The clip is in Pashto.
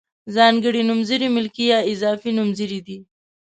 ځانګړي نومځري ملکي یا اضافي نومځري دي.